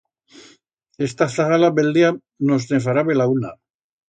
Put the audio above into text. Esta zagala bel día nos ne fará bel·launa.